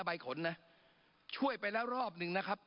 ใบขนนะช่วยไปแล้วรอบหนึ่งนะครับ